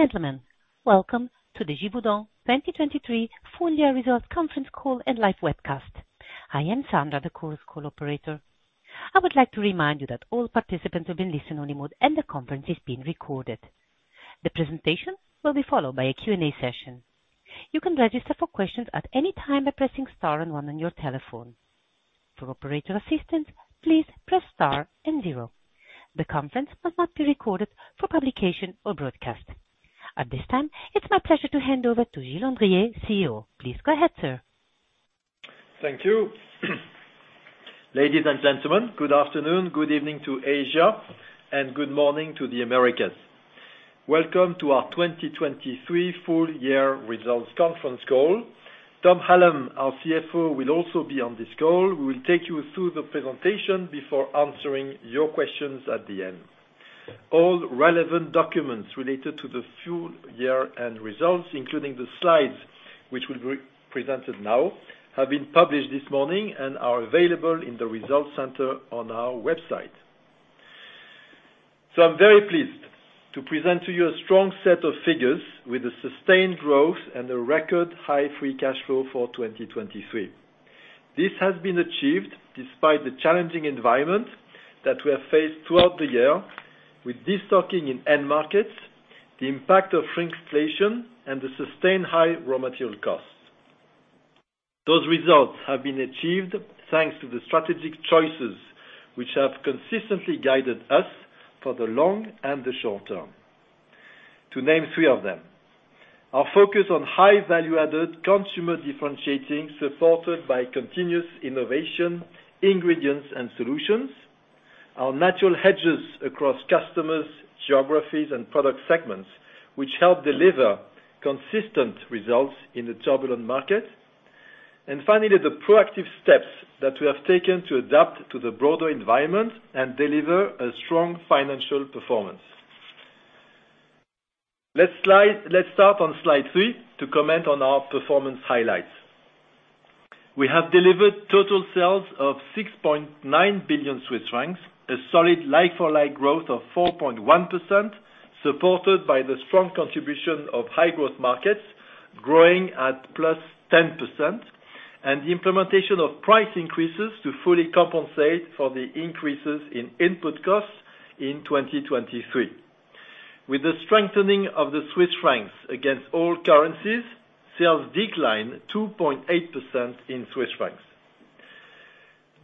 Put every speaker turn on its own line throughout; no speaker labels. Ladies and gentlemen, welcome to the Givaudan 2023 Full Year Results Conference Call and Live Webcast. I am Sandra, the call operator. I would like to remind you that all participants are in listen-only mode, and the conference is being recorded. The presentation will be followed by a Q&A session. You can register for questions at any time by pressing star and one on your telephone. For operator assistance, please press star and zero. The conference will not be recorded for publication or broadcast. At this time, it's my pleasure to hand over to Gilles Andrier, CEO. Please go ahead, sir.
Thank you. Ladies and gentlemen, good afternoon, good evening to Asia, and good morning to the Americas. Welcome to our 2023 Full Year Results Conference Call. Tom Hallam, our CFO, will also be on this call. We will take you through the presentation before answering your questions at the end. All relevant documents related to the Full Year Results, including the slides which will be presented now, have been published this morning and are available in the Investor Relations Center on our website. I'm very pleased to present to you a strong set of figures with a sustained growth and a record high free cash flow for 2023. This has been achieved despite the challenging environment that we have faced throughout the year, with destocking in end markets, the impact of inflation, and the sustained high raw material costs. Those results have been achieved thanks to the strategic choices which have consistently guided us for the long and the short term. To name three of them: our focus on high value-added consumer differentiating supported by continuous innovation, ingredients, and solutions, our natural hedges across customers, geographies, and product segments, which help deliver consistent results in the turbulent market, and finally, the proactive steps that we have taken to adapt to the broader environment and deliver a strong financial performance. Let's start on slide three to comment on our performance highlights. We have delivered total sales of 6.9 billion Swiss francs, a solid like-for-like growth of 4.1%, supported by the strong contribution of high-growth markets growing at plus 10%, and the implementation of price increases to fully compensate for the increases in input costs in 2023. With the strengthening of the Swiss francs against all currencies, sales declined 2.8% in Swiss francs.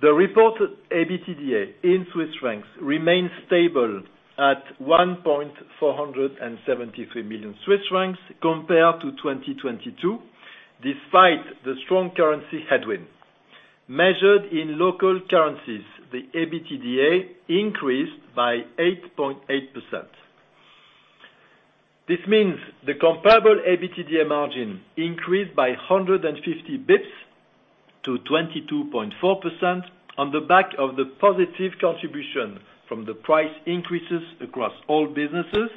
The reported EBITDA in Swiss francs remains stable at 1.473 million Swiss francs compared to 2022, despite the strong currency headwind. Measured in local currencies, the EBITDA increased by 8.8%. This means the comparable EBITDA margin increased by 150 basis points to 22.4% on the back of the positive contribution from the price increases across all businesses,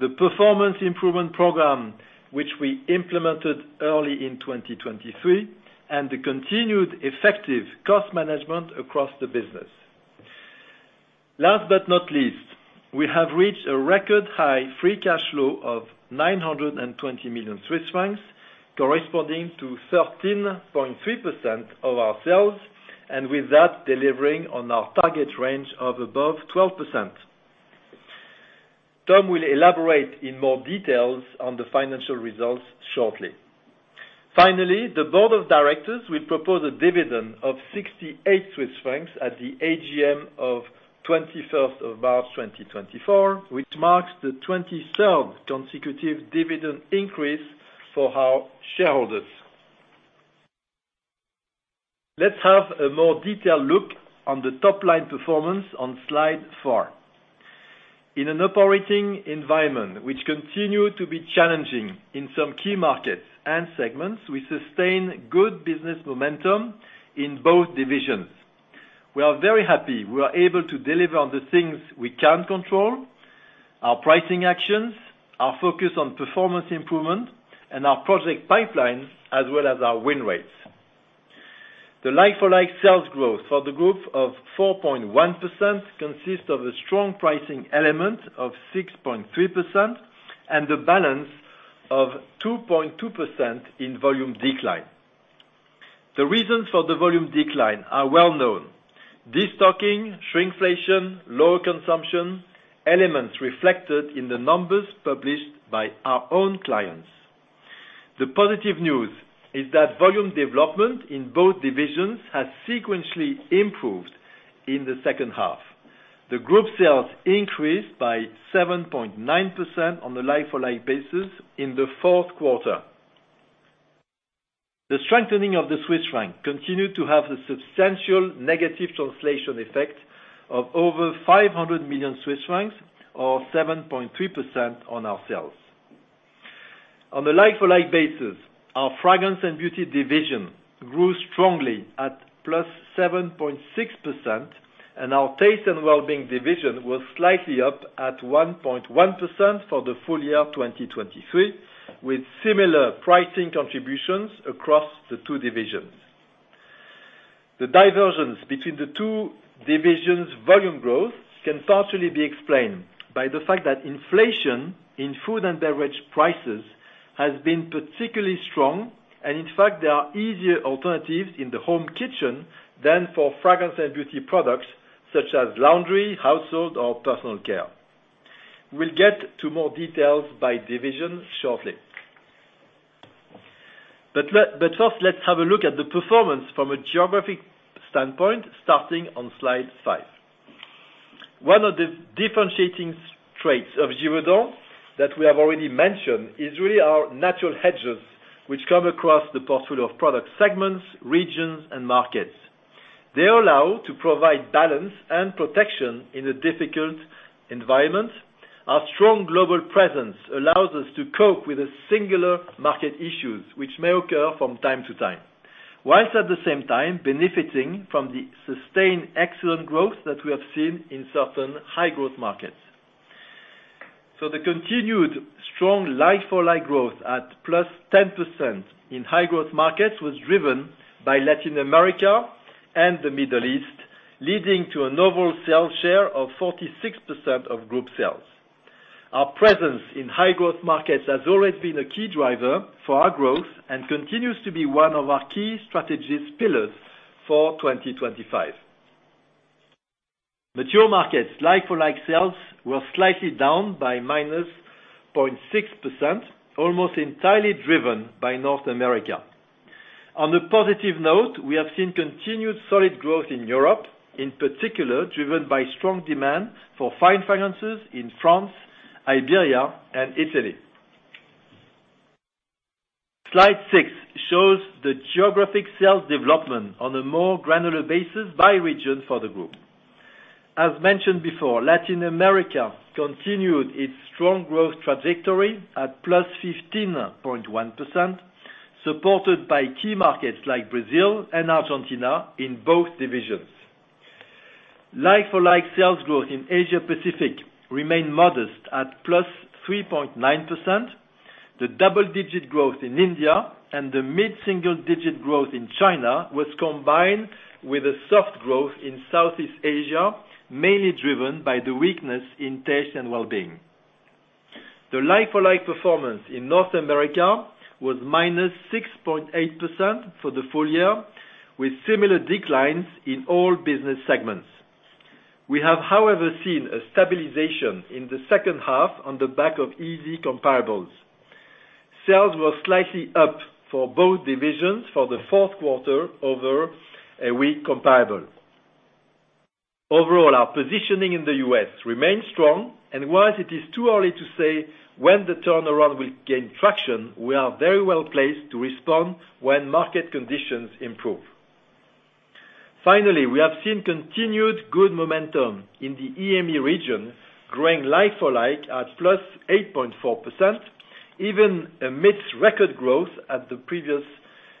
the performance improvement program which we implemented early in 2023, and the continued effective cost management across the business. Last but not least, we have reached a record high free cash flow of 920 million Swiss francs, corresponding to 13.3% of our sales, and with that, delivering on our target range of above 12%. Tom will elaborate in more details on the financial results shortly. Finally, the board of directors will propose a dividend of 68 Swiss francs at the AGM of 21st of March 2024, which marks the 23rd consecutive dividend increase for our shareholders. Let's have a more detailed look on the top-line performance on slide four. In an operating environment which continues to be challenging in some key markets and segments, we sustain good business momentum in both divisions. We are very happy we were able to deliver on the things we can control: our pricing actions, our focus on performance improvement, and our project pipeline, as well as our win rates. The like-for-like sales growth for the group of 4.1% consists of a strong pricing element of 6.3% and a balance of 2.2% in volume decline. The reasons for the volume decline are well known: destocking, shrinkflation, lower consumption, elements reflected in the numbers published by our own clients. The positive news is that volume development in both divisions has sequentially improved in the second half. The group sales increased by 7.9% on a like-for-like basis in the fourth quarter. The strengthening of the Swiss franc continued to have the substantial negative translation effect of over 500 million Swiss francs, or 7.3% on our sales. On a like-for-like basis, our fragrance and beauty division grew strongly at plus 7.6%, and our taste and well-being division was slightly up at 1.1% for the full year 2023, with similar pricing contributions across the two divisions. The divergence between the two divisions' volume growth can partially be explained by the fact that inflation in food and beverage prices has been particularly strong, and in fact, there are easier alternatives in the home kitchen than for fragrance and beauty products such as laundry, household, or personal care. We'll get to more details by division shortly. But first, let's have a look at the performance from a geographic standpoint, starting on slide five. One of the differentiating traits of Givaudan that we have already mentioned is really our natural hedges, which come across the portfolio of product segments, regions, and markets. They allow us to provide balance and protection in a difficult environment. Our strong global presence allows us to cope with singular market issues which may occur from time to time, whilst at the same time benefiting from the sustained excellent growth that we have seen in certain high-growth markets. So the continued strong like-for-like growth at +10% in high-growth markets was driven by Latin America and the Middle East, leading to an overall sales share of 46% of group sales. Our presence in high-growth markets has always been a key driver for our growth and continues to be one of our key strategic pillars for 2025. Mature markets' like-for-like sales were slightly down by minus 0.6%, almost entirely driven by North America. On a positive note, we have seen continued solid growth in Europe, in particular driven by strong demand for fine fragrances in France, Iberia, and Italy. Slide six shows the geographic sales development on a more granular basis by region for the group. As mentioned before, Latin America continued its strong growth trajectory at plus 15.1%, supported by key markets like Brazil and Argentina in both divisions. Like-for-like sales growth in Asia-Pacific remained modest at plus 3.9%. The double-digit growth in India and the mid-single-digit growth in China was combined with a soft growth in Southeast Asia, mainly driven by the weakness in Taste and Wellbeing. The like-for-like performance in North America was -6.8% for the full year, with similar declines in all business segments. We have, however, seen a stabilization in the second half on the back of easy comparables. Sales were slightly up for both divisions for the fourth quarter over a weak comparable. Overall, our positioning in the US remains strong, and while it is too early to say when the turnaround will gain traction, we are very well placed to respond when market conditions improve. Finally, we have seen continued good momentum in the EME region, growing like-for-like at +8.4%, even amidst record growth in the previous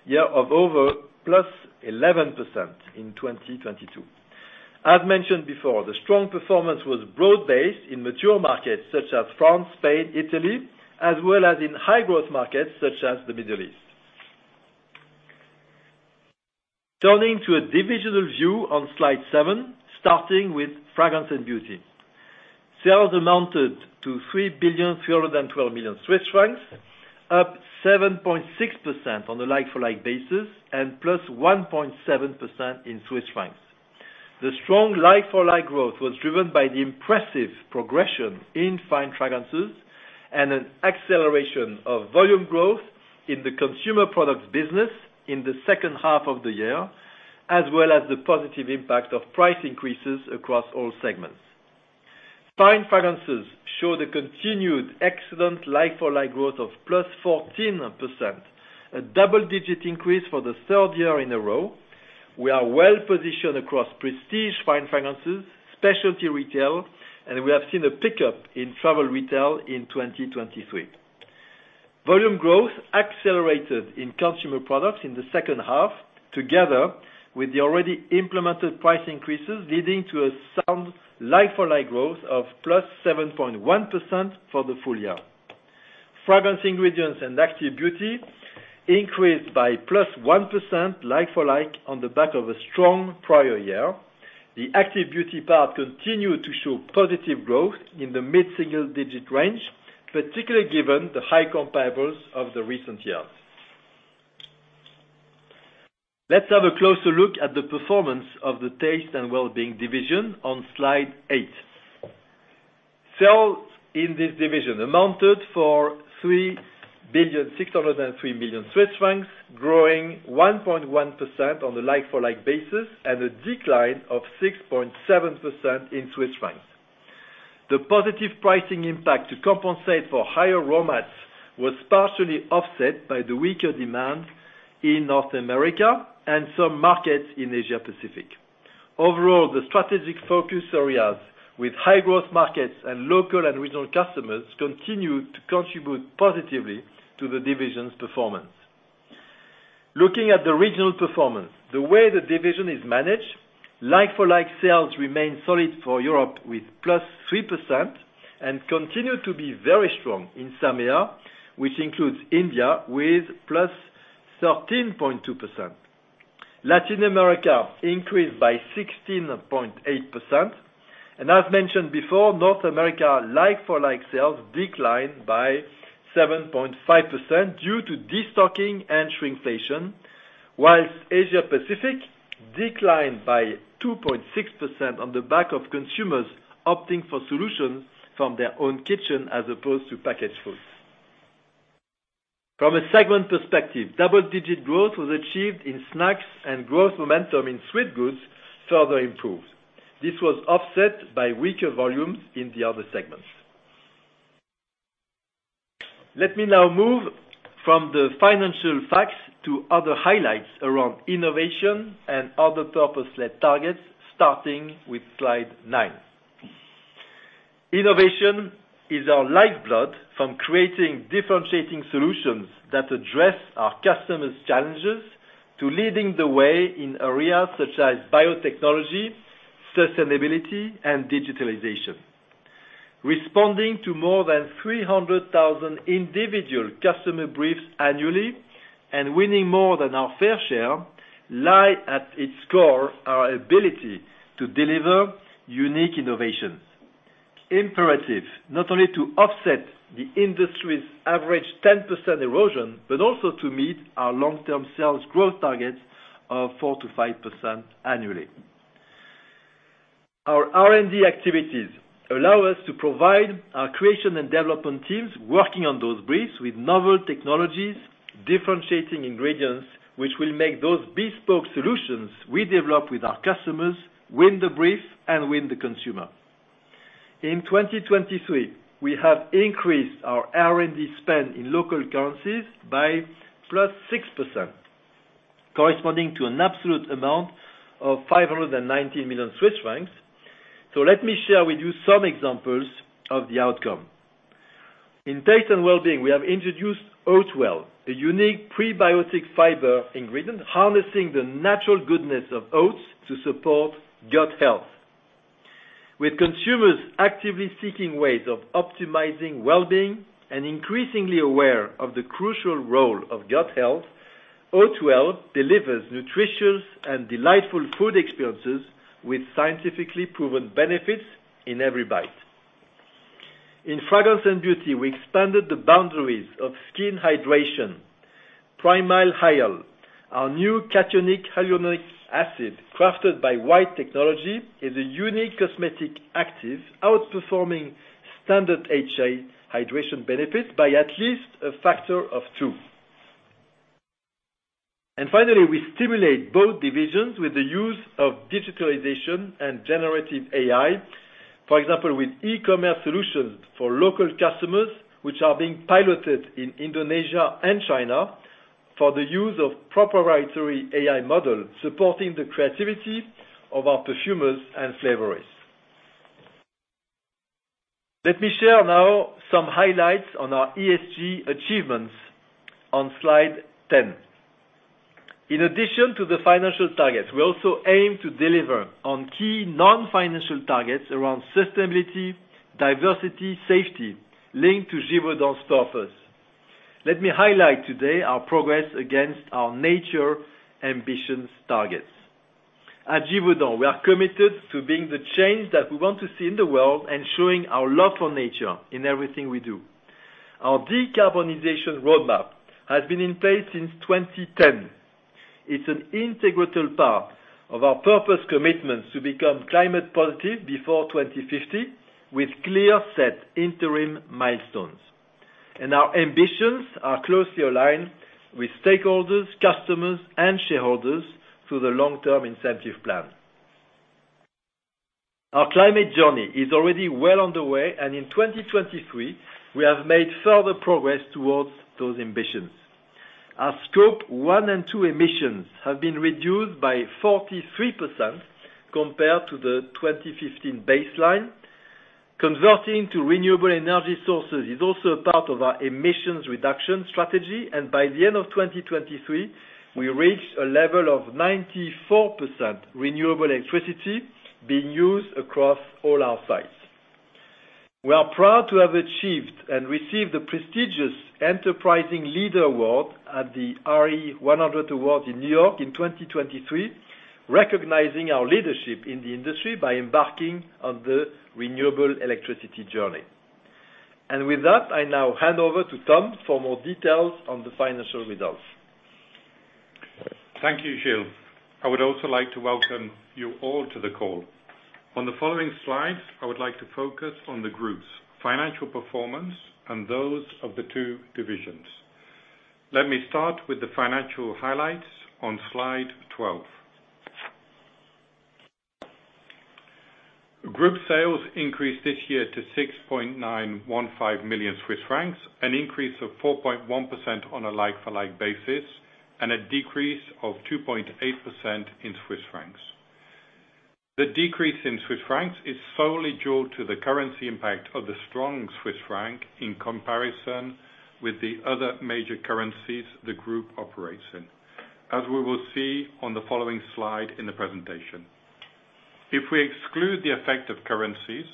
year of over +11% in 2022. As mentioned before, the strong performance was broad-based in mature markets such as France, Spain, Italy, as well as in high-growth markets such as the Middle East. Turning to a divisional view on slide seven, starting with fragrance and beauty. Sales amounted to 3,312 million Swiss francs, up 7.6% on a like-for-like basis and plus 1.7% in CHF. The strong like-for-like growth was driven by the impressive progression in fine fragrances and an acceleration of volume growth in the consumer products business in the second half of the year, as well as the positive impact of price increases across all segments. Fine fragrances show the continued excellent like-for-like growth of plus 14%, a double-digit increase for the third year in a row. We are well positioned across prestige fine fragrances, specialty retail, and we have seen a pickup in travel retail in 2023. Volume growth accelerated in consumer products in the second half, together with the already implemented price increases, leading to a sound like-for-like growth of plus 7.1% for the full year. Fragrance Ingredients and Active Beauty increased by +1% like-for-like on the back of a strong prior year. The Active Beauty part continued to show positive growth in the mid-single-digit range, particularly given the high comparables of the recent years. Let's have a closer look at the performance of the Taste & Wellbeing division on slide eight. Sales in this division amounted to 3,603 million Swiss francs, growing 1.1% on a like-for-like basis and a decline of 6.7% in CHF. The positive pricing impact to compensate for higher raw materials was partially offset by the weaker demand in North America and some markets in Asia-Pacific. Overall, the strategic focus areas with high-growth markets and local and regional customers continued to contribute positively to the division's performance. Looking at the regional performance, the way the division is managed, like-for-like sales remained solid for Europe with +3% and continued to be very strong in SAMEA, which includes India, with +13.2%. Latin America increased by 16.8%. And as mentioned before, North America's like-for-like sales declined by 7.5% due to destocking and shrinkflation, while Asia-Pacific declined by 2.6% on the back of consumers opting for solutions from their own kitchen as opposed to packaged foods. From a segment perspective, double-digit growth was achieved in snacks and growth momentum in sweet goods further improved. This was offset by weaker volumes in the other segments. Let me now move from the financial facts to other highlights around innovation and other purpose-led targets, starting with slide nine. Innovation is our lifeblood from creating differentiating solutions that address our customers' challenges to leading the way in areas such as biotechnology, sustainability, and digitalization. Responding to more than 300,000 individual customer briefs annually and winning more than our fair share lie at its core, our ability to deliver unique innovations. Imperative not only to offset the industry's average 10% erosion, but also to meet our long-term sales growth targets of 4%-5% annually. Our R&D activities allow us to provide our creation and development teams working on those briefs with novel technologies, differentiating ingredients, which will make those bespoke solutions we develop with our customers win the brief and win the consumer. In 2023, we have increased our R&D spend in local currencies by +6%, corresponding to an absolute amount of 519 million Swiss francs. So let me share with you some examples of the outcome. In Taste and Wellbeing, we have introduced OatWell, a unique prebiotic fiber ingredient harnessing the natural goodness of oats to support gut health. With consumers actively seeking ways of optimizing well-being and increasingly aware of the crucial role of gut health, OatWell delivers nutritious and delightful food experiences with scientifically proven benefits in every bite. In Fragrance and Beauty, we expanded the boundaries of skin hydration. PrimalHyal, our new cationic hyaluronic acid crafted by White Technology, is a unique cosmetic active outperforming standard HA hydration benefits by at least a factor of two. And finally, we stimulate both divisions with the use of digitalization and generative AI, for example, with e-commerce solutions for local customers, which are being piloted in Indonesia and China for the use of proprietary AI models supporting the creativity of our perfumers and flavorists. Let me share now some highlights on our ESG achievements on slide 10. In addition to the financial targets, we also aim to deliver on key non-financial targets around sustainability, diversity, safety linked to Givaudan's purpose. Let me highlight today our progress against our nature ambitions targets. At Givaudan, we are committed to being the change that we want to see in the world and showing our love for nature in everything we do. Our decarbonization roadmap has been in place since 2010. It's an integral part of our purpose commitments to become climate positive before 2050, with clear-set interim milestones. And our ambitions are closely aligned with stakeholders, customers, and shareholders through the long-term incentive plan. Our climate journey is already well underway, and in 2023, we have made further progress towards those ambitions. Our Scope 1 and 2 emissions have been reduced by 43% compared to the 2015 baseline. Converting to renewable energy sources is also a part of our emissions reduction strategy, and by the end of 2023, we reached a level of 94% renewable electricity being used across all our sites. We are proud to have achieved and received the prestigious Enterprising Leader Award at the RE100 Awards in New York in 2023, recognizing our leadership in the industry by embarking on the renewable electricity journey, and with that, I now hand over to Tom for more details on the financial results.
Thank you, Gilles. I would also like to welcome you all to the call. On the following slides, I would like to focus on the group's financial performance and those of the two divisions. Let me start with the financial highlights on slide 12. Group sales increased this year to 6.915 million Swiss francs, an increase of 4.1% on a like-for-like basis, and a decrease of 2.8% in Swiss francs. The decrease in Swiss francs is solely due to the currency impact of the strong Swiss franc in comparison with the other major currencies the group operates in, as we will see on the following slide in the presentation. If we exclude the effect of currencies,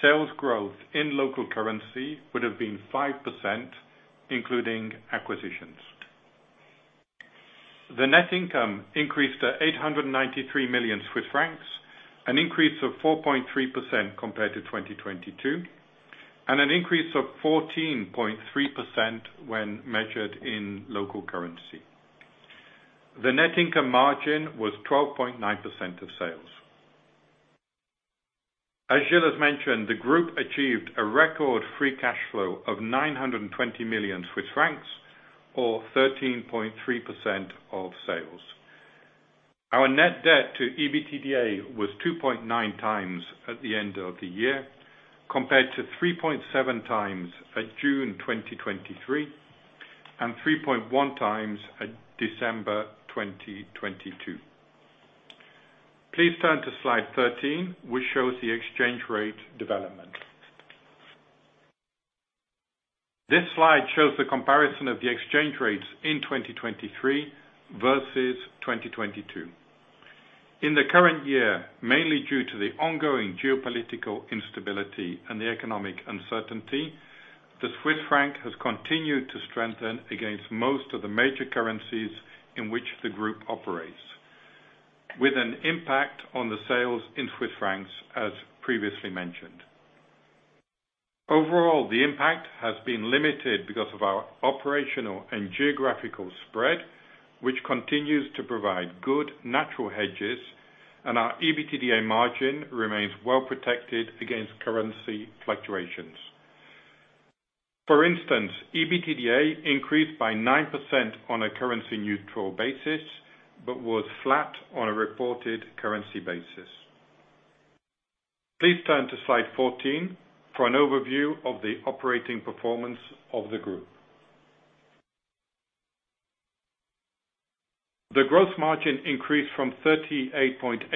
sales growth in local currency would have been 5%, including acquisitions. The net income increased to 893 million Swiss francs, an increase of 4.3% compared to 2022, and an increase of 14.3% when measured in local currency. The net income margin was 12.9% of sales. As Gilles has mentioned, the group achieved a record free cash flow of 920 million Swiss francs, or 13.3% of sales. Our net debt to EBITDA was 2.9 times at the end of the year, compared to 3.7 times at June 2023 and 3.1 times at December 2022. Please turn to slide 13, which shows the exchange rate development. This slide shows the comparison of the exchange rates in 2023 versus 2022. In the current year, mainly due to the ongoing geopolitical instability and the economic uncertainty, the Swiss franc has continued to strengthen against most of the major currencies in which the group operates, with an impact on the sales in Swiss francs, as previously mentioned. Overall, the impact has been limited because of our operational and geographical spread, which continues to provide good natural hedges, and our EBITDA margin remains well protected against currency fluctuations. For instance, EBITDA increased by 9% on a currency-neutral basis but was flat on a reported currency basis. Please turn to slide 14 for an overview of the operating performance of the group. The gross margin increased from 38.8%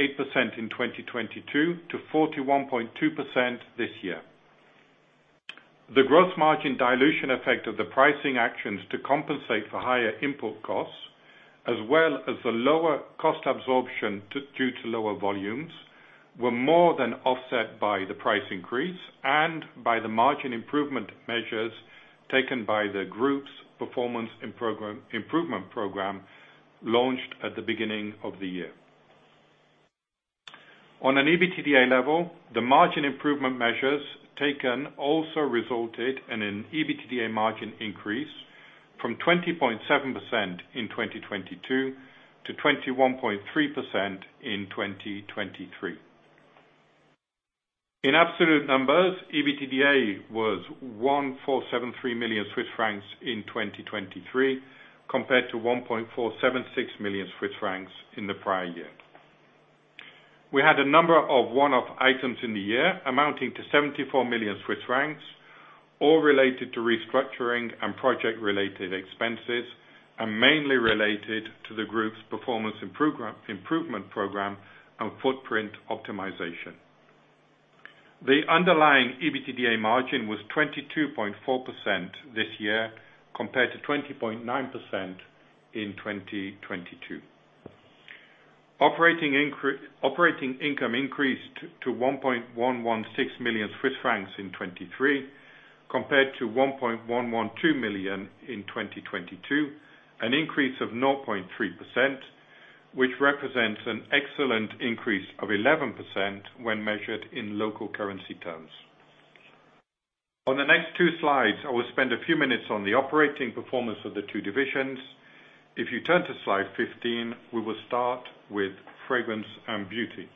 in 2022 to 41.2% this year. The gross margin dilution effect of the pricing actions to compensate for higher input costs, as well as the lower cost absorption due to lower volumes, were more than offset by the price increase and by the margin improvement measures taken by the group's performance improvement program launched at the beginning of the year. On an EBITDA level, the margin improvement measures taken also resulted in an EBITDA margin increase from 20.7% in 2022 to 21.3% in 2023. In absolute numbers, EBITDA was 1,473 million Swiss francs in 2023, compared to 1,476 million Swiss francs in the prior year. We had a number of one-off items in the year amounting to 74 million Swiss francs, all related to restructuring and project-related expenses, and mainly related to the group's performance improvement program and footprint optimization. The underlying EBITDA margin was 22.4% this year compared to 20.9% in 2022. Operating income increased to 1.116 million Swiss francs in 2023, compared to 1.112 million in 2022, an increase of 0.3%, which represents an excellent increase of 11% when measured in local currency terms. On the next two slides, I will spend a few minutes on the operating performance of the two divisions. If you turn to slide 15, we will start with fragrance and beauty.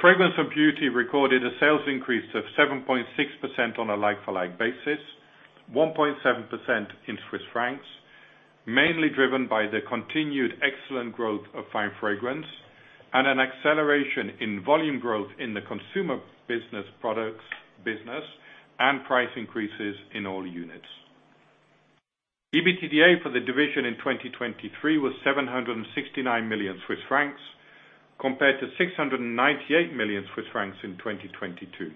Fragrance and Beauty recorded a sales increase of 7.6% on a like-for-like basis, 1.7% in Swiss francs, mainly driven by the continued excellent growth of Fine Fragrance and an acceleration in volume growth in the Consumer Products business and price increases in all units. EBITDA for the division in 2023 was 769 million Swiss francs, compared to 698 million Swiss francs in 2022.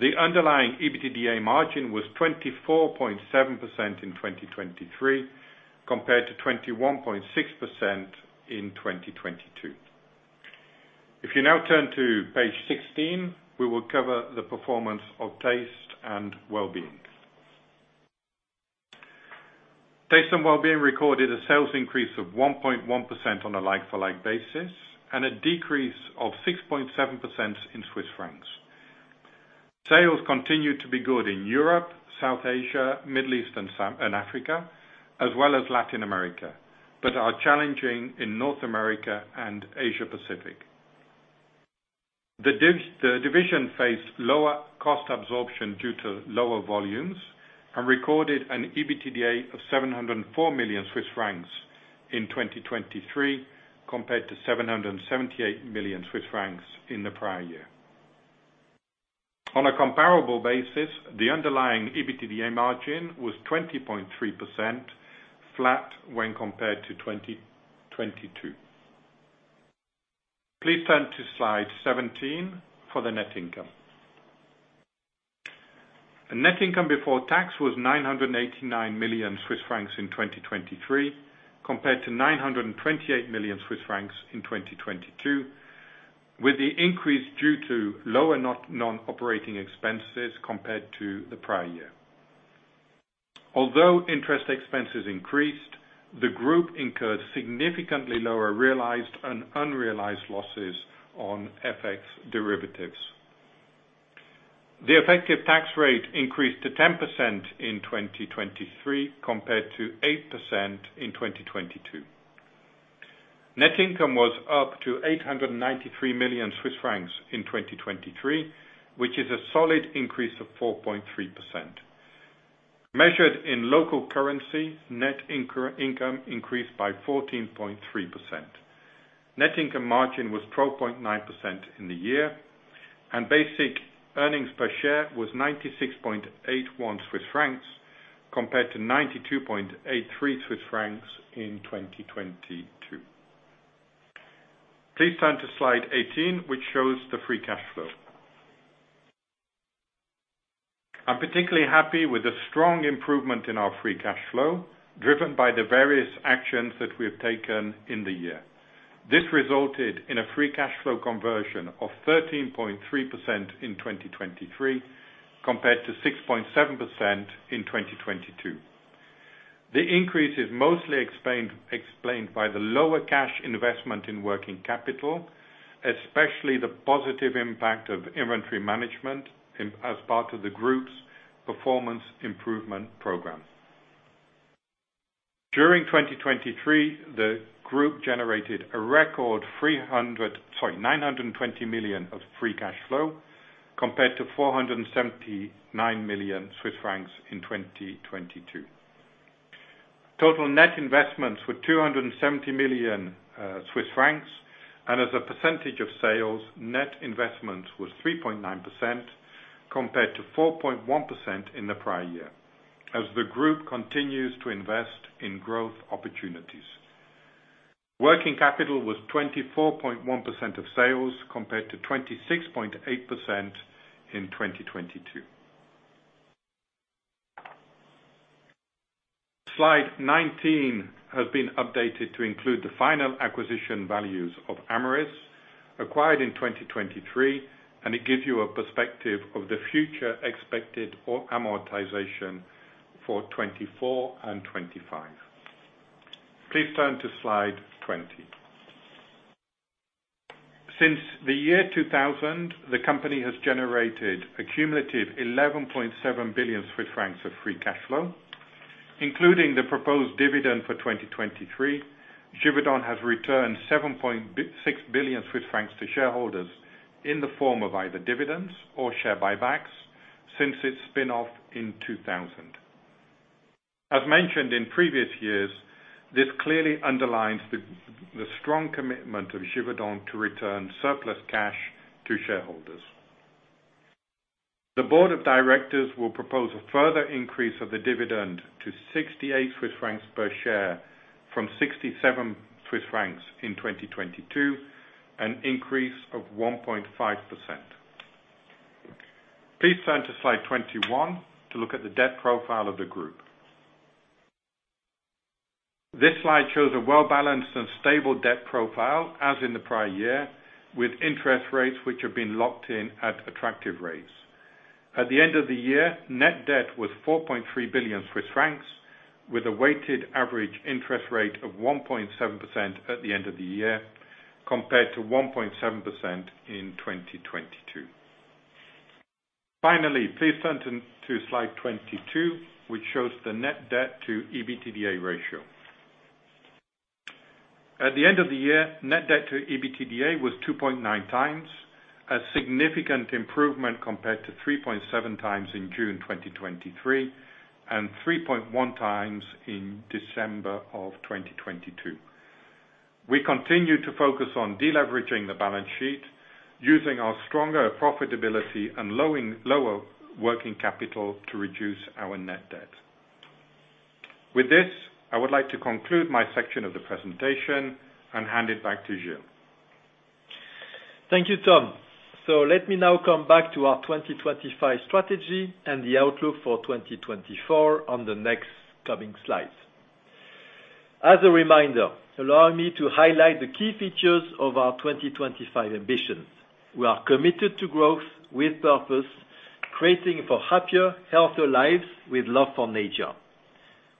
The underlying EBITDA margin was 24.7% in 2023, compared to 21.6% in 2022. If you now turn to page 16, we will cover the performance of Taste and Wellbeing. Taste and Wellbeing recorded a sales increase of 1.1% on a like-for-like basis and a decrease of 6.7% in Swiss francs. Sales continued to be good in Europe, South Asia, Middle East, and Africa, as well as Latin America, but are challenging in North America and Asia-Pacific. The division faced lower cost absorption due to lower volumes and recorded an EBITDA of 704 million Swiss francs in 2023, compared to 778 million Swiss francs in the prior year. On a comparable basis, the underlying EBITDA margin was 20.3%, flat when compared to 2022. Please turn to slide 17 for the net income. Net income before tax was 989 million Swiss francs in 2023, compared to 928 million Swiss francs in 2022, with the increase due to lower non-operating expenses compared to the prior year. Although interest expenses increased, the group incurred significantly lower realized and unrealized losses on FX derivatives. The effective tax rate increased to 10% in 2023, compared to 8% in 2022. Net income was up to 893 million Swiss francs in 2023, which is a solid increase of 4.3%. Measured in local currency, net income increased by 14.3%. Net income margin was 12.9% in the year, and basic earnings per share was 96.81 Swiss francs, compared to 92.83 Swiss francs in 2022. Please turn to slide 18, which shows the free cash flow. I'm particularly happy with the strong improvement in our free cash flow, driven by the various actions that we have taken in the year. This resulted in a free cash flow conversion of 13.3% in 2023, compared to 6.7% in 2022. The increase is mostly explained by the lower cash investment in working capital, especially the positive impact of inventory management as part of the group's performance improvement program. During 2023, the group generated a record 920 million of free cash flow, compared to 479 million Swiss francs in 2022. Total net investments were 270 million Swiss francs, and as a percentage of sales, net investments were 3.9%, compared to 4.1% in the prior year, as the group continues to invest in growth opportunities. Working capital was 24.1% of sales, compared to 26.8% in 2022. Slide 19 has been updated to include the final acquisition values of Amyris, acquired in 2023, and it gives you a perspective of the future expected amortization for 2024 and 2025. Please turn to slide 20. Since the year 2000, the company has generated a cumulative 11.7 billion Swiss francs of free cash flow. Including the proposed dividend for 2023, Givaudan has returned 7.6 billion Swiss francs to shareholders in the form of either dividends or share buybacks since its spinoff in 2000. As mentioned in previous years, this clearly underlines the strong commitment of Givaudan to return surplus cash to shareholders. The Board of Directors will propose a further increase of the dividend to 68 Swiss francs per share from 67 Swiss francs in 2022, an increase of 1.5%. Please turn to slide 21 to look at the debt profile of the group. This slide shows a well-balanced and stable debt profile, as in the prior year, with interest rates which have been locked in at attractive rates. At the end of the year, net debt was 4.3 billion Swiss francs, with a weighted average interest rate of 1.7% at the end of the year, compared to 1.7% in 2022. Finally, please turn to slide 22, which shows the net debt to EBITDA ratio. At the end of the year, net debt to EBITDA was 2.9 times, a significant improvement compared to 3.7 times in June 2023 and 3.1 times in December of 2022. We continue to focus on deleveraging the balance sheet, using our stronger profitability and lower working capital to reduce our net debt. With this, I would like to conclude my section of the presentation and hand it back to Gilles.
Thank you, Tom. So let me now come back to our 2025 strategy and the outlook for 2024 on the next coming slides. As a reminder, allow me to highlight the key features of our 2025 ambitions. We are committed to growth with purpose, creating for happier, healthier lives with love for nature.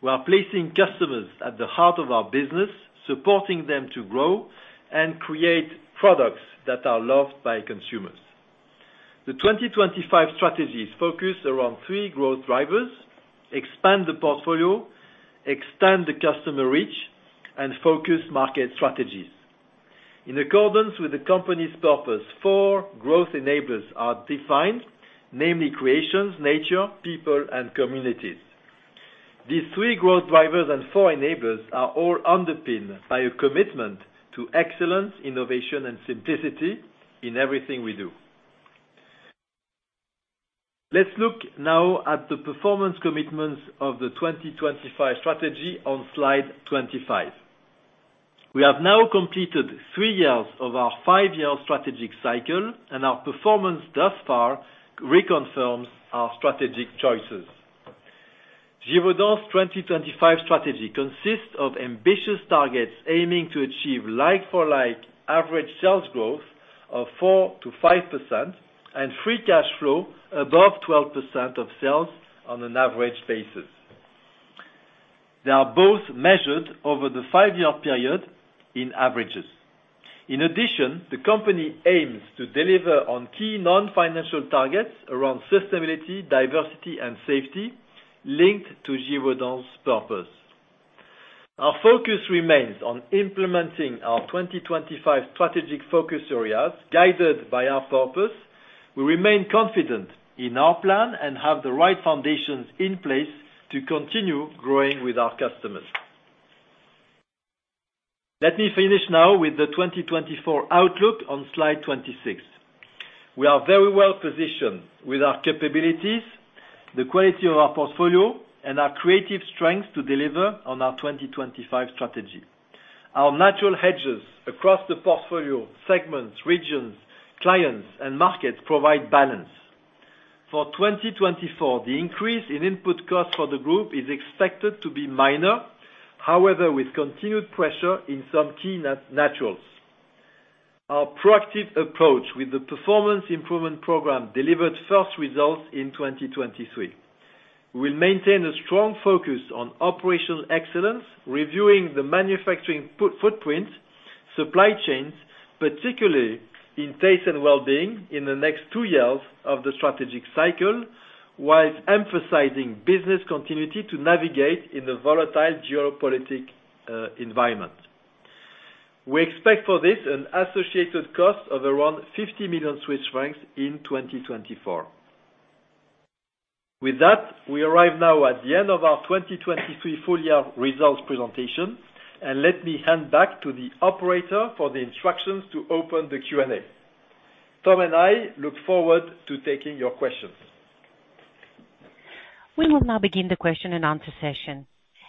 We are placing customers at the heart of our business, supporting them to grow and create products that are loved by consumers. The 2025 strategies focus around three growth drivers: expand the portfolio, extend the customer reach, and focus market strategies. In accordance with the company's purpose, four growth enablers are defined, namely creations, nature, people, and communities. These three growth drivers and four enablers are all underpinned by a commitment to excellence, innovation, and simplicity in everything we do. Let's look now at the performance commitments of the 2025 strategy on slide 25. We have now completed three years of our five-year strategic cycle, and our performance thus far reconfirms our strategic choices. Givaudan's 2025 strategy consists of ambitious targets aiming to achieve like-for-like average sales growth of 4%-5% and free cash flow above 12% of sales on an average basis. They are both measured over the five-year period in averages. In addition, the company aims to deliver on key non-financial targets around sustainability, diversity, and safety linked to Givaudan's purpose. Our focus remains on implementing our 2025 strategic focus areas guided by our purpose. We remain confident in our plan and have the right foundations in place to continue growing with our customers. Let me finish now with the 2024 outlook on slide 26. We are very well positioned with our capabilities, the quality of our portfolio, and our creative strengths to deliver on our 2025 strategy. Our natural hedges across the portfolio segments, regions, clients, and markets provide balance. For 2024, the increase in input costs for the group is expected to be minor, however, with continued pressure in some key naturals. Our proactive approach with the performance improvement program delivered first results in 2023. We will maintain a strong focus on operational excellence, reviewing the manufacturing footprint, supply chains, particularly in Taste and Wellbeing in the next two years of the strategic cycle, while emphasizing business continuity to navigate in the volatile geopolitical environment. We expect for this an associated cost of around 50 million Swiss francs in 2024. With that, we arrive now at the end of our 2023 full-year results presentation, and let me hand back to the operator for the instructions to open the Q&A. Tom and I look forward to taking your questions.
We will now begin the question and answer session.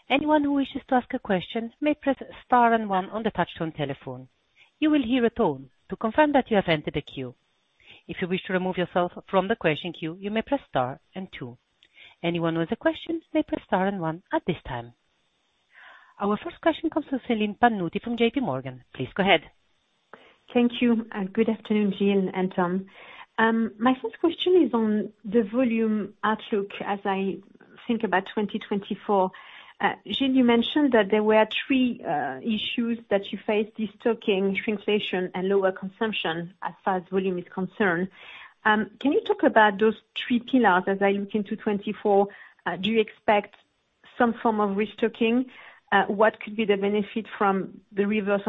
Anyone who wishes to ask a question may press star and one on the touchscreen telephone. You will hear a tone to confirm that you have entered the queue. If you wish to remove yourself from the question queue, you may press star and two. Anyone with a question may press star and one at this time. Our first question comes from Celine Pannuti from J.P. Morgan. Please go ahead.
Thank you. Good afternoon, Gilles and Tom. My first question is on the volume outlook as I think about 2024. Gilles, you mentioned that there were three issues that you faced: destocking, shrinkflation, and lower consumption as far as volume is concerned. Can you talk about those three pillars as I look into 2024? Do you expect some form of restocking? What could be the benefit from the reverse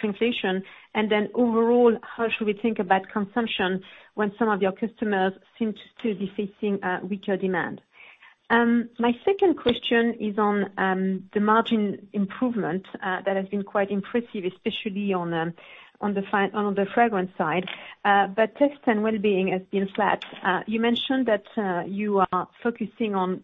shrinkflation? And then overall, how should we think about consumption when some of your customers seem to still be facing weaker demand? My second question is on the margin improvement that has been quite impressive, especially on the fragrance side, but taste and well-being has been flat. You mentioned that you are focusing on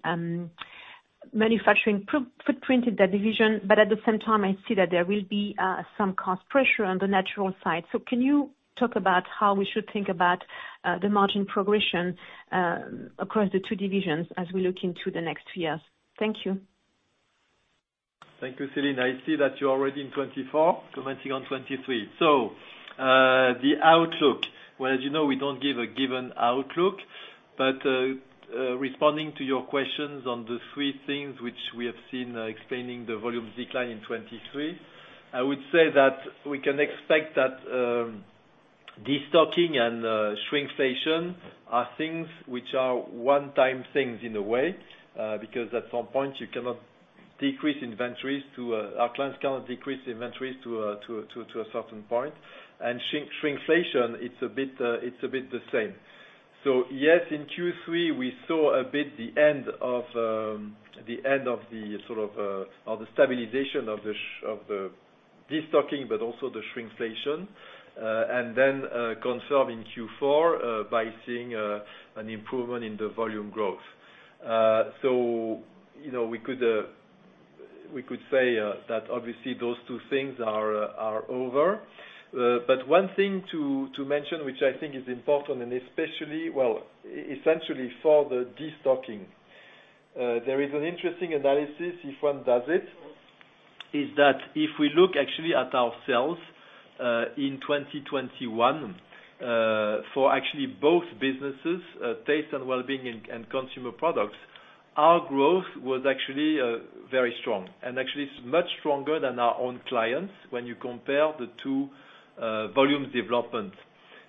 manufacturing footprint in that division, but at the same time, I see that there will be some cost pressure on the natural side. So can you talk about how we should think about the margin progression across the two divisions as we look into the next few years? Thank you.
Thank you, Celine. I see that you're already in 2024, commenting on 2023. The outlook, well, as you know, we don't give a given outlook, but responding to your questions on the three things which we have seen explaining the volume decline in 2023, I would say that we can expect that destocking and shrinkflation are things which are one-time things in a way because at some point, our clients cannot decrease inventories to a certain point. And shrinkflation, it's a bit the same. So yes, in Q3, we saw a bit the end of the sort of or the stabilization of the destocking, but also the shrinkflation, and then confirmed in Q4 by seeing an improvement in the volume growth. So we could say that obviously those two things are over. But one thing to mention, which I think is important, and especially, well, essentially for the destocking, there is an interesting analysis, if one does it, is that if we look actually at our sales in 2021 for actually both businesses, taste and well-being and consumer products, our growth was actually very strong and actually much stronger than our own clients when you compare the two volume developments.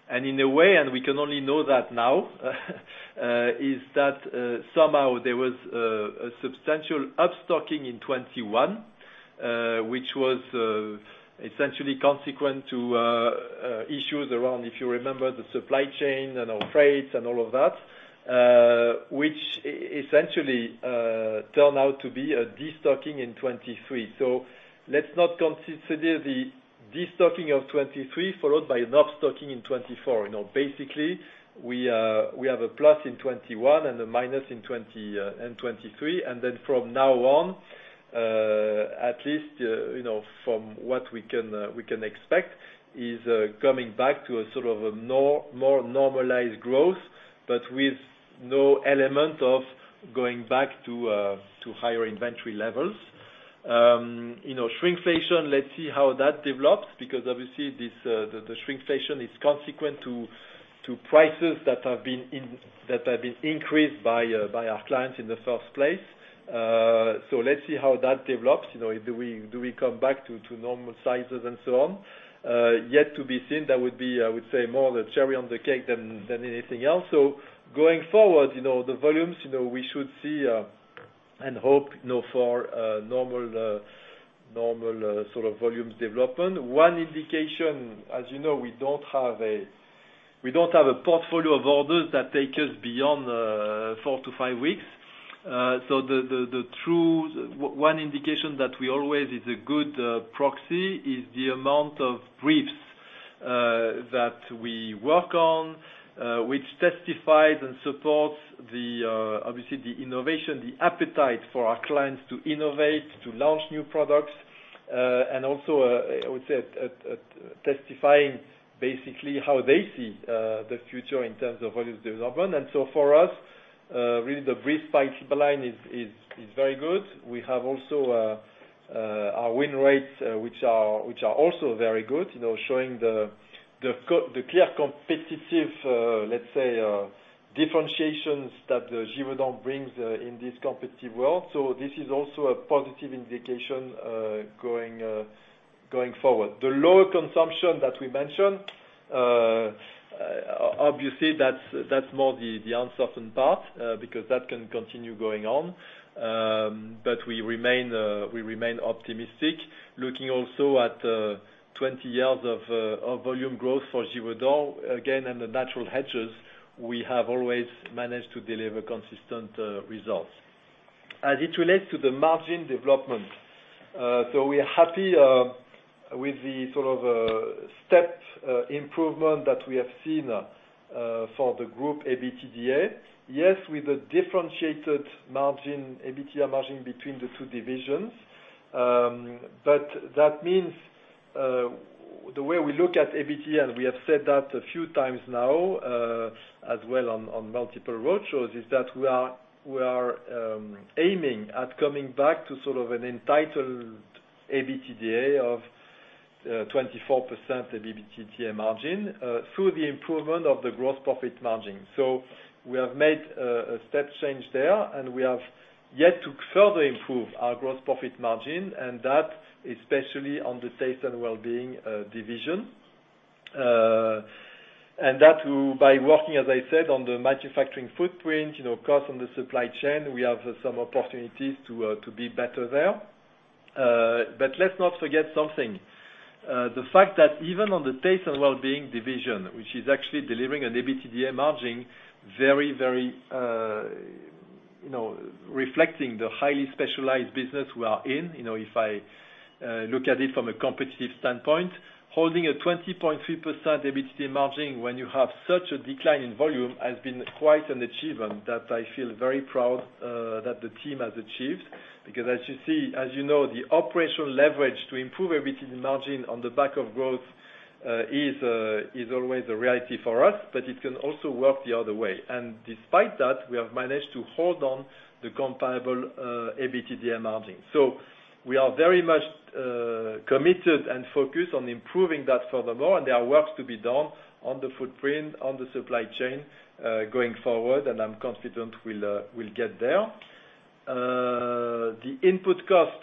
And in a way, and we can only know that now, is that somehow there was a substantial upstocking in 2021, which was essentially consequent to issues around, if you remember, the supply chain and our freights and all of that, which essentially turned out to be a destocking in 2023. So let's not consider the destocking of 2023 followed by an upstocking in 2024. Basically, we have a plus in 2021 and a minus in 2023. And then from now on, at least from what we can expect, is coming back to a sort of a more normalized growth, but with no element of going back to higher inventory levels. Shrinkflation, let's see how that develops because obviously the shrinkflation is consequent to prices that have been increased by our clients in the first place. So let's see how that develops. Do we come back to normal sizes and so on? Yet to be seen. That would be, I would say, more the cherry on the cake than anything else, so going forward, the volumes we should see and hope for normal sort of volume development. One indication, as you know, we don't have a portfolio of orders that take us beyond four to five weeks, so the true one indication that we always is a good proxy is the amount of briefs that we work on, which testifies and supports obviously the innovation, the appetite for our clients to innovate, to launch new products, and also, I would say, testifying basically how they see the future in terms of volume development, and so for us, really, the brief pipeline is very good. We have also our win rates, which are also very good, showing the clear competitive, let's say, differentiations that Givaudan brings in this competitive world. So this is also a positive indication going forward. The lower consumption that we mentioned, obviously, that's more the uncertain part because that can continue going on. But we remain optimistic, looking also at 20 years of volume growth for Givaudan. Again, and the natural hedges, we have always managed to deliver consistent results. As it relates to the margin development, so we are happy with the sort of step improvement that we have seen for the group EBITDA. Yes, with a differentiated margin, EBITDA margin between the two divisions. But that means the way we look at EBITDA, and we have said that a few times now as well on multiple roadshows, is that we are aiming at coming back to sort of an entitled EBITDA of 24% EBITDA margin through the improvement of the gross profit margin. So we have made a step change there, and we have yet to further improve our gross profit margin, and that especially on the Taste and Wellbeing division. And that by working, as I said, on the manufacturing footprint, cost on the supply chain, we have some opportunities to be better there. But let's not forget something. The fact that even on the Taste and Wellbeing division, which is actually delivering an EBITDA margin very, very reflecting the highly specialized business we are in, if I look at it from a competitive standpoint, holding a 20.3% EBITDA margin when you have such a decline in volume has been quite an achievement that I feel very proud that the team has achieved. Because as you see, as you know, the operational leverage to improve EBITDA margin on the back of growth is always a reality for us, but it can also work the other way, and despite that, we have managed to hold on the comparable EBITDA margin, so we are very much committed and focused on improving that furthermore, and there are works to be done on the footprint, on the supply chain going forward, and I'm confident we'll get there. The input cost,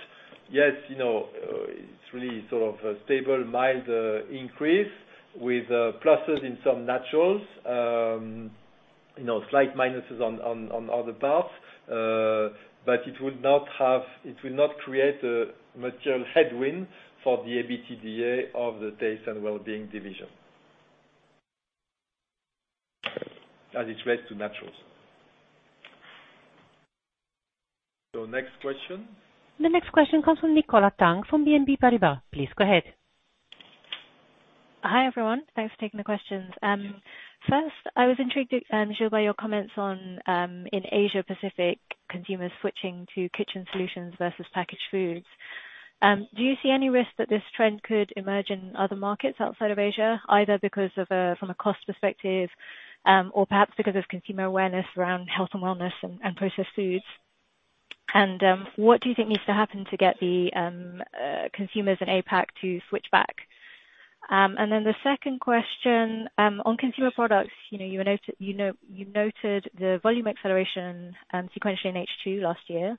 yes, it's really sort of a stable, mild increase with pluses in some naturals, slight minuses on other parts, but it will not create a material headwind for the EBITDA of the taste and well-being division as it relates to naturals. Next question.
The next question comes from Nicola Tang from BNP Paribas. Please go ahead.
Hi everyone. Thanks for taking the questions. First, I was intrigued, Gilles, by your comments in Asia-Pacific, consumers switching to kitchen solutions versus packaged foods. Do you see any risk that this trend could emerge in other markets outside of Asia, either from a cost perspective or perhaps because of consumer awareness around health and wellness and processed foods? And what do you think needs to happen to get the consumers in APAC to switch back? And then the second question on consumer products, you noted the volume acceleration sequentially in H2 last year.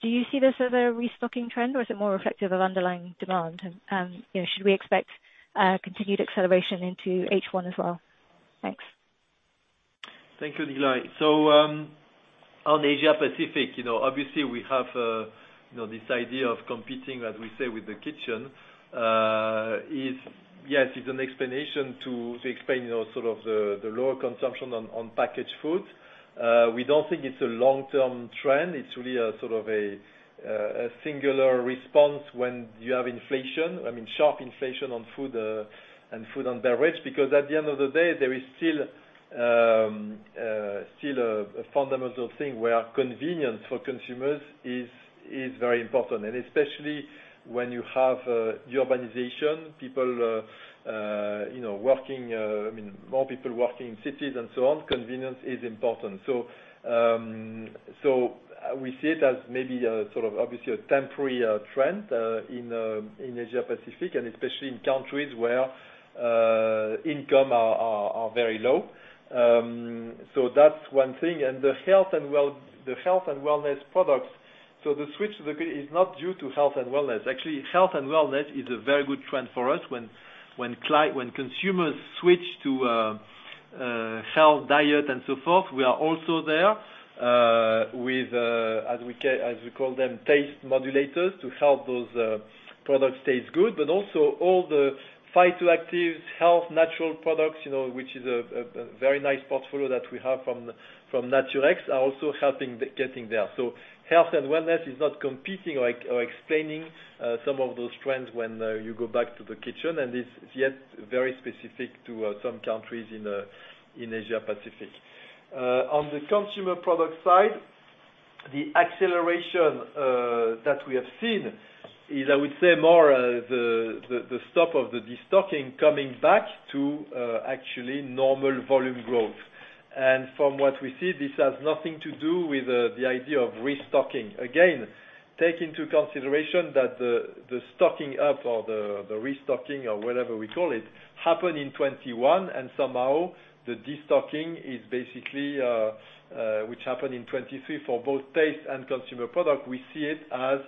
Do you see this as a restocking trend, or is it more reflective of underlying demand? Should we expect continued acceleration into H1 as well? Thanks.
Thank you, Nilay. So on Asia-Pacific, obviously, we have this idea of competing, as we say, with the kitchen. Yes, it's an explanation to explain sort of the lower consumption on packaged foods. We don't think it's a long-term trend. It's really sort of a singular response when you have inflation, I mean, sharp inflation on food and food and beverage, because at the end of the day, there is still a fundamental thing where convenience for consumers is very important. And especially when you have urbanization, people working, I mean, more people working in cities and so on, convenience is important. So we see it as maybe sort of obviously a temporary trend in Asia-Pacific, and especially in countries where income are very low. So that's one thing. And the health and wellness products, so the switch is not due to health and wellness. Actually, health and wellness is a very good trend for us when consumers switch to health diet and so forth. We are also there with, as we call them, taste modulators to help those products taste good, but also all the phytoactives, health, natural products, which is a very nice portfolio that we have from Naturex, are also helping getting there. So health and wellness is not competing or explaining some of those trends when you go back to the kitchen, and it's yet very specific to some countries in Asia-Pacific. On the consumer product side, the acceleration that we have seen is, I would say, more the stop of the destocking coming back to actually normal volume growth. And from what we see, this has nothing to do with the idea of restocking. Again, take into consideration that the stocking up or the restocking or whatever we call it happened in 2021, and somehow the destocking is basically which happened in 2023 for both taste and consumer product. We see it as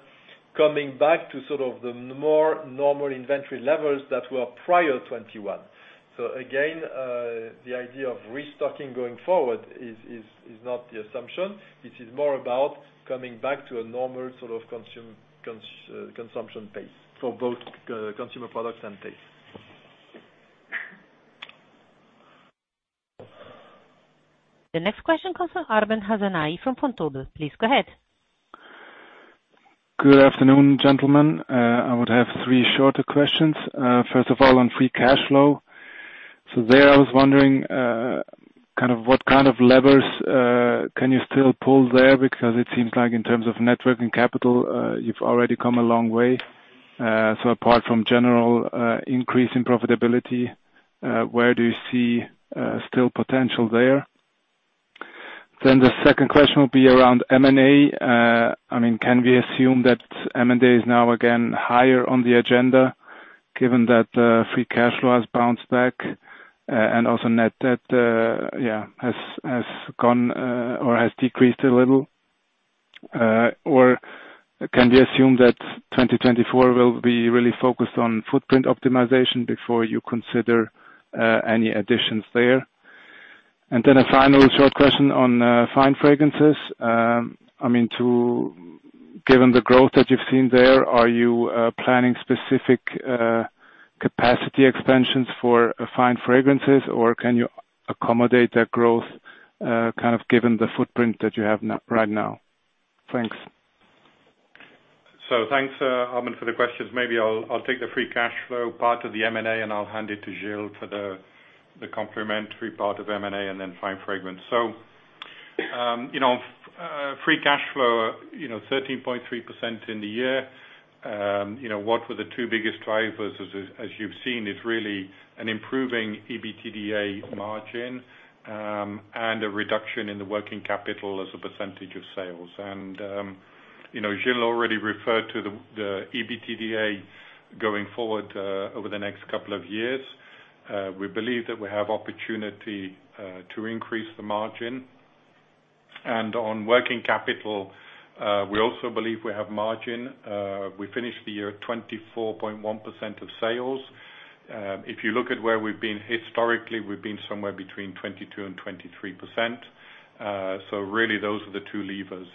coming back to sort of the more normal inventory levels that were prior to 2021. So again, the idea of restocking going forward is not the assumption. This is more about coming back to a normal sort of consumption pace for both consumer products and taste.
The next question comes from Arben Hasanaj from Vontobel. Please go ahead.
Good afternoon, gentlemen. I would have three shorter questions.
First of all, on free cash flow. So there I was wondering kind of what kind of levers can you still pull there because it seems like in terms of net working capital, you've already come a long way. So apart from general increase in profitability, where do you see still potential there? Then the second question will be around M&A. I mean, can we assume that M&A is now again higher on the agenda given that free cash flow has bounced back and also net debt has gone or has decreased a little? Or can we assume that 2024 will be really focused on footprint optimization before you consider any additions there? And then a final short question on Fine Fragrances. I mean, given the growth that you've seen there, are you planning specific capacity expansions for fine fragrances, or can you accommodate that growth kind of given the footprint that you have right now? Thanks.
So thanks, Arben, for the questions. Maybe I'll take the free cash flow part of the M&A and I'll hand it to Gilles for the complementary part of M&A and then fine fragrance. So free cash flow, 13.3% in the year. What were the two biggest drivers, as you've seen, is really an improving EBITDA margin and a reduction in the working capital as a percentage of sales. And Gilles already referred to the EBITDA going forward over the next couple of years. We believe that we have opportunity to increase the margin. And on working capital, we also believe we have margin. We finished the year at 24.1% of sales. If you look at where we've been historically, we've been somewhere between 22% and 23%. So really, those are the two levers: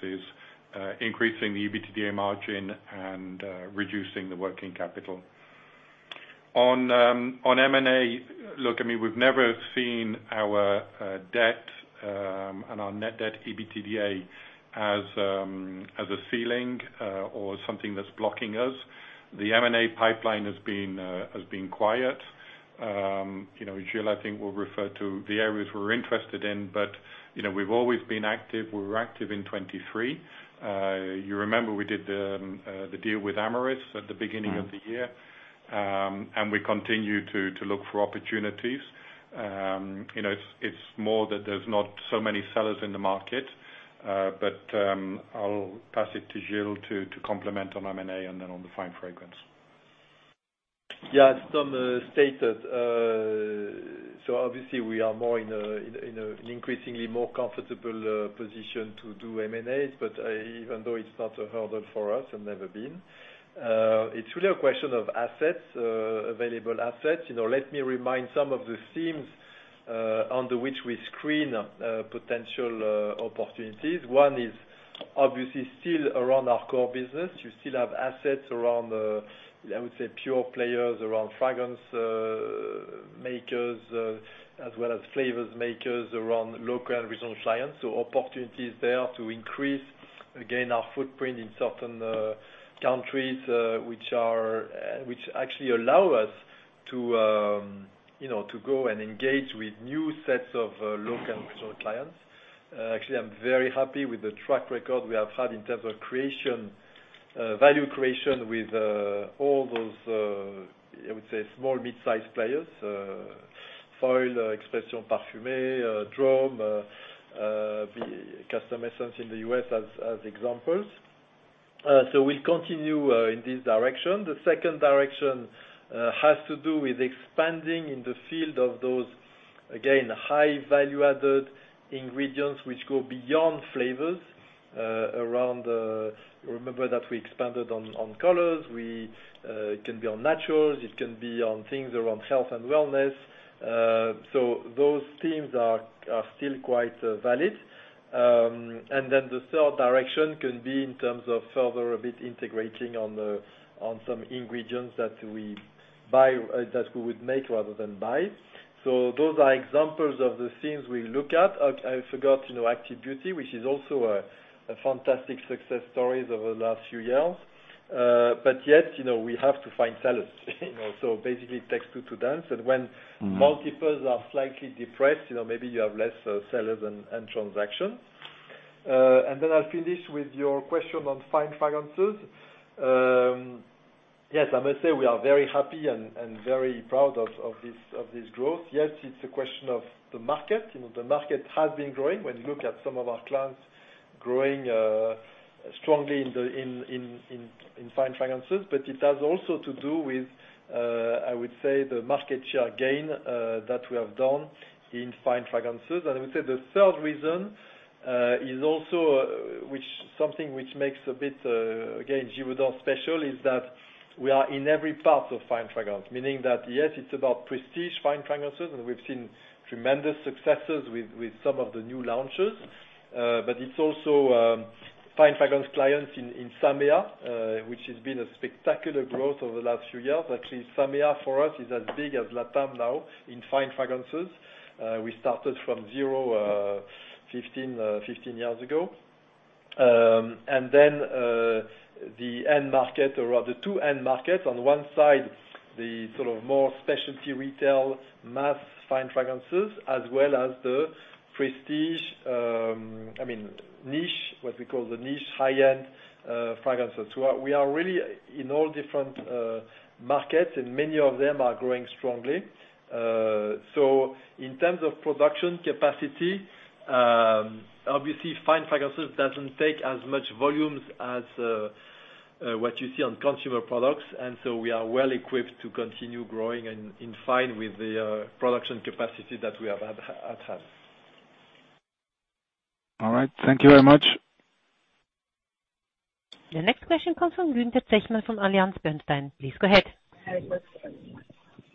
increasing the EBITDA margin and reducing the working capital. On M&A, look, I mean, we've never seen our debt and our net debt to EBITDA as a ceiling or something that's blocking us. The M&A pipeline has been quiet. Gilles, I think, will refer to the areas we're interested in, but we've always been active. We were active in 2023. You remember we did the deal with Amyris at the beginning of the year, and we continue to look for opportunities. It's more that there's not so many sellers in the market, but I'll pass it to Gilles to complement on M&A and then on the fine fragrance.
Yeah, it's stated. So obviously, we are more in an increasingly more comfortable position to do M&As, but even though it's not a hurdle for us and never been, it's really a question of assets, available assets. Let me remind some of the themes on which we screen potential opportunities. One is obviously still around our core business. You still have assets around, I would say, pure players around fragrance makers as well as flavors makers around local and regional clients. So opportunities there to increase, again, our footprint in certain countries which actually allow us to go and engage with new sets of local and regional clients. Actually, I'm very happy with the track record we have had in terms of value creation with all those, I would say, small mid-sized players: Foil, Expressions Parfumées, Drom, Custom Essence in the U.S. as examples. So we'll continue in this direction. The second direction has to do with expanding in the field of those, again, high value-added ingredients which go beyond flavors. Remember that we expanded on colors. It can be on naturals. It can be on things around health and wellness. So those themes are still quite valid. And then the third direction can be in terms of further a bit integrating on some ingredients that we would make rather than buy. So those are examples of the themes we look at. I forgot Active Beauty, which is also a fantastic success story over the last few years. But yet, we have to find sellers. So basically, it takes two to dance. And when multiples are slightly depressed, maybe you have less sellers and transactions. And then I'll finish with your question on Fine Fragrances. Yes, I must say we are very happy and very proud of this growth. Yes, it's a question of the market. The market has been growing when you look at some of our clients growing strongly in fine fragrances, but it has also to do with, I would say, the market share gain that we have done in fine fragrances, and I would say the third reason is also something which makes a bit, again, Givaudan special is that we are in every part of fine fragrance, meaning that, yes, it's about prestige fine fragrances, and we've seen tremendous successes with some of the new launches, but it's also fine fragrance clients in SAMEA, which has been a spectacular growth over the last few years. Actually, SAMEA for us is as big as LATAM now in fine fragrances. We started from zero 15 years ago. And then the end market, or the two end markets, on one side, the sort of more specialty retail mass fine fragrances, as well as the prestige, I mean, niche, what we call the niche high-end fragrances. We are really in all different markets, and many of them are growing strongly. So in terms of production capacity, obviously, fine fragrances doesn't take as much volumes as what you see on consumer products, and so we are well equipped to continue growing in fine with the production capacity that we have at hand.
All right. Thank you very much.
The next question comes from Gunther Zechmann from AllianceBernstein. Please go ahead.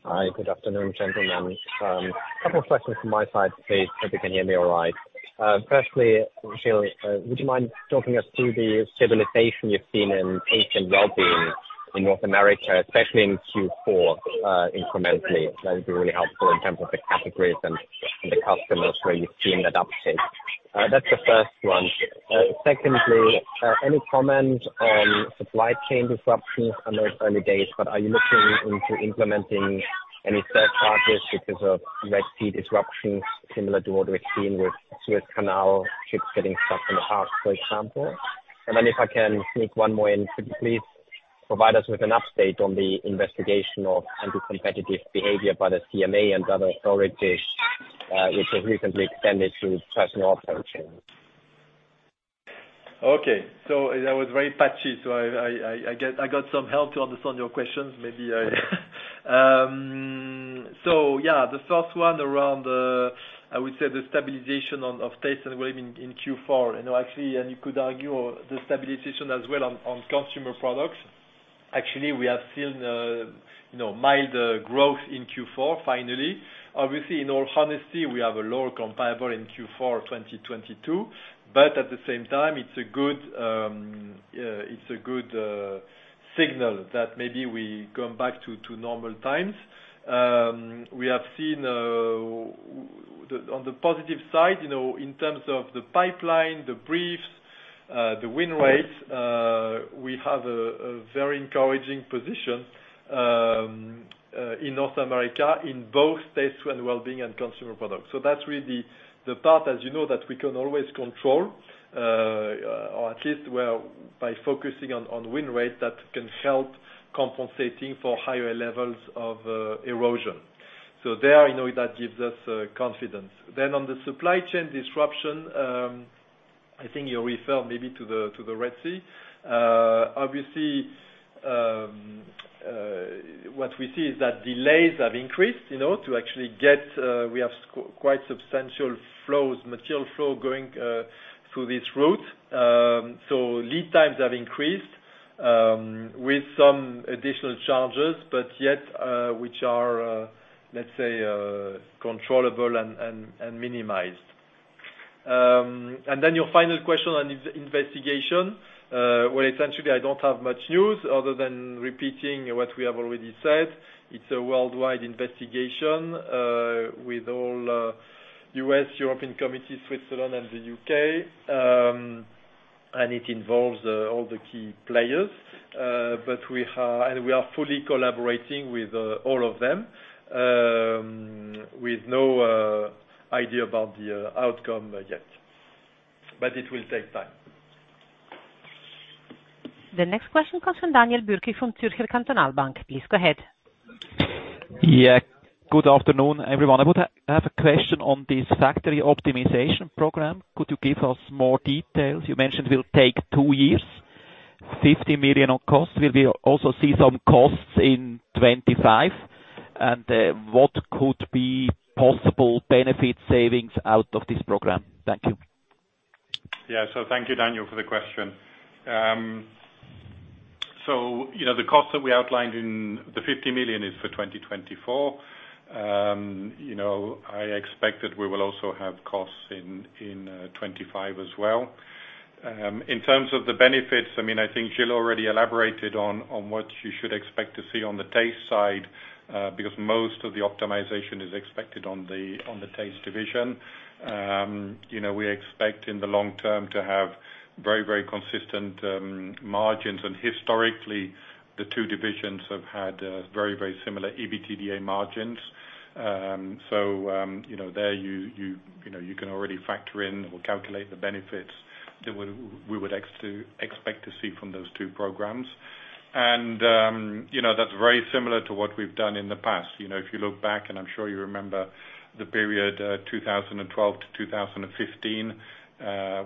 Hi, good afternoon, gentlemen. A couple of questions from my side. I hope you can hear me all right. Firstly, Gilles, would you mind talking us through the stabilization you've seen in taste and well-being in North America, especially in Q4, incrementally? That would be really helpful in terms of the categories and the customers where you've seen that uptake. That's the first one. Secondly, any comment on supply chain disruptions? I know it's early days, but are you looking into implementing any surcharges because of Red Sea disruptions similar to what we've seen with Suez Canal ships getting stuck in the past, for example? And then if I can sneak one more in, could you please provide us with an update on the investigation of anti-competitive behavior by the CMA and other authorities, which has recently extended to personal care pricing?
Okay. So that was very patchy, so I got some help to understand your questions. Maybe I. So yeah, the first one around, I would say, the stabilization of Taste and Wellbeing in Q4. Actually, and you could argue the stabilization as well on Consumer Products. Actually, we have seen mild growth in Q4, finally. Obviously, in all honesty, we have a lower comparable in Q4 2022, but at the same time, it's a good signal that maybe we come back to normal times. We have seen on the positive side, in terms of the pipeline, the briefs, the win rates, we have a very encouraging position in North America in both Taste and Wellbeing and Consumer Products. So that's really the part, as you know, that we can always control, or at least by focusing on win rates that can help compensating for higher levels of erosion. So there, I know that gives us confidence. Then, on the supply chain disruption, I think you referred maybe to the Red Sea. Obviously, what we see is that delays have increased to actually get we have quite substantial flows, material flow going through this route. So lead times have increased with some additional charges, but yet which are, let's say, controllable and minimized. And then your final question on investigation, well, essentially, I don't have much news other than repeating what we have already said. It's a worldwide investigation with all U.S., European committees, Switzerland, and the U.K., and it involves all the key players. And we are fully collaborating with all of them with no idea about the outcome yet, but it will take time.
The next question comes from Daniel Bürki from Zürcher Kantonalbank. Please go ahead.
Yeah. Good afternoon, everyone. I would have a question on this factory optimization program. Could you give us more details? You mentioned it will take two years, 50 million of cost. Will we also see some costs in 2025? And what could be possible benefit savings out of this program? Thank you.
Yeah. So thank you, Daniel, for the question. So the costs that we outlined in the 50 million is for 2024. I expect that we will also have costs in 2025 as well. In terms of the benefits, I mean, I think Gilles already elaborated on what you should expect to see on the taste side because most of the optimization is expected on the taste division. We expect in the long term to have very, very consistent margins, and historically, the two divisions have had very, very similar EBITDA margins. So there, you can already factor in or calculate the benefits that we would expect to see from those two programs. That's very similar to what we've done in the past. If you look back, and I'm sure you remember the period 2012 to 2015,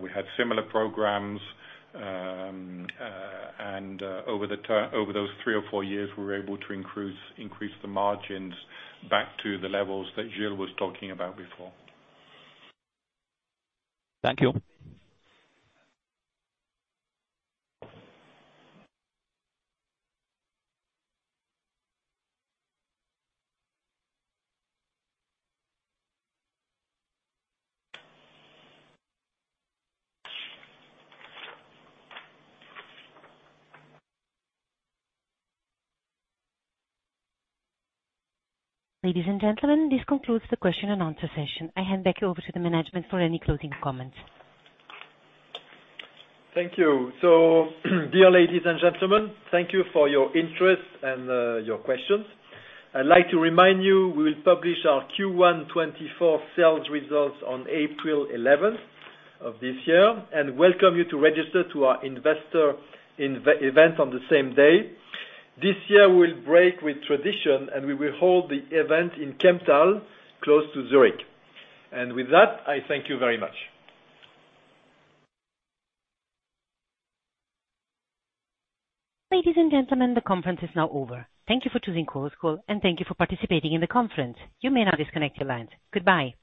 we had similar programs, and over those three or four years, we were able to increase the margins back to the levels that Gilles was talking about before.
Thank you.
Ladies and gentlemen, this concludes the question and answer session. I hand back you over to the management for any closing comments. Thank you. Dear ladies and gentlemen, thank you for your interest and your questions.
I'd like to remind you we will publish our Q1 2024 sales results on April 11th of this year and welcome you to register to our investor event on the same day. This year, we will break with tradition, and we will hold the event in Kemptthal close to Zurich. With that, I thank you very much.
Ladies and gentlemen, the conference is now over. Thank you for choosing Chorus Call, and thank you for participating in the conference. You may now disconnect your lines. Goodbye.